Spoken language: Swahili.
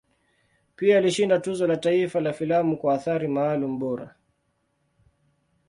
Pia alishinda Tuzo la Taifa la Filamu kwa Athari Maalum Bora.